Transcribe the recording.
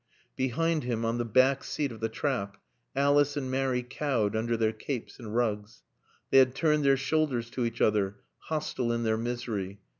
Behind him, on the back seat of the trap, Alice and Mary cowed under their capes and rugs. They had turned their shoulders to each other, hostile in their misery.